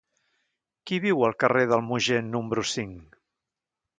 Qui viu al carrer del Mogent número cinc?